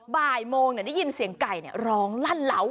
บ่ายโมงได้ยินเสียงไก่ร้องลั่นเหล้า